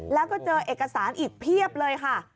แล้วก็เจอเอกสารอีกเพียบเลยค่ะ